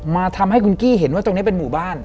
ทำให้คุณกี้เห็นว่าตรงนี้เป็นหมู่บ้าน